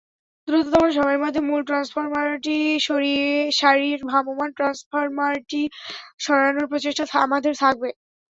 দ্রুততম সময়ের মধ্যে মূল ট্রান্সফরমারটি সারিয়ে ভ্রাম্যমাণ ট্রান্সফরমারটি সরানোর প্রচেষ্টা আমাদের থাকবে।